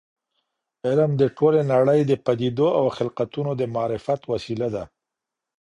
علم د ټولې نړۍ د پدیدو او خلقتونو د معرفت وسیله ده.